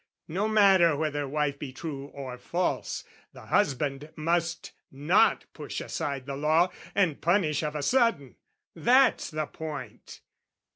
No matter whether wife be true or false, The husband must not push aside the law, And punish of a sudden: that's the point!